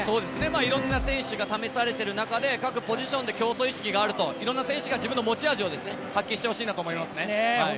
いろんな選手が試されている中で、各ポジションで競争意識があるといろんな選手が自分の持ち味を発揮してもらいたいと思いますね。